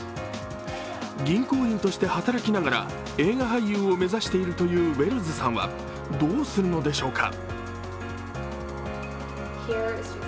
銀行員として働きながら映画俳優を目指しているというウェルズさんはどうするのでしょうか。